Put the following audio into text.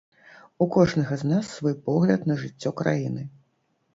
У кожнага з нас свой погляд на жыццё краіны.